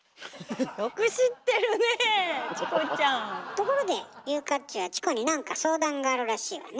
ところで優香っちはチコになんか相談があるらしいわね。